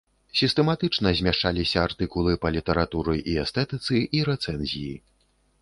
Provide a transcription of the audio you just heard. Сістэматычна змяшчаліся артыкулы па літаратуры і эстэтыцы і рэцэнзіі.